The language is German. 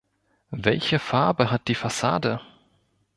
Welche Farbe hat die Fassade?